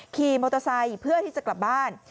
ขี่มอเตอร์ไซค์เพื่อที่จะกลับบ้าน